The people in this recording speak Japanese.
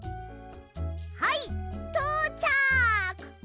はいとうちゃく！